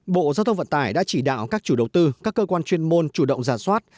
bộ giao thông vận tải đã chỉ đạo các chủ đầu tư các cơ quan chuyên môn chủ động giả soát